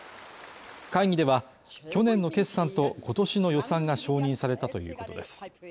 会議では去年の決算とことしの予算が承認されたということです